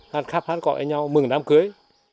hát khắp hát gọi với nhau mừng đám cưới